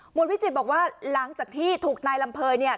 วิจิตรบอกว่าหลังจากที่ถูกนายลำเภยเนี่ย